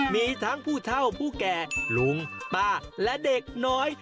มีทั้งผู้เท่าผู้แก่ลุงป้าและเด็กน้อย